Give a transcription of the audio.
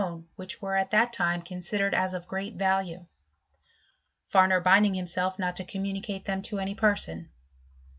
%Vt own, which were at that time considered aS of great value; Farmer binding himself not to communicate them to any person.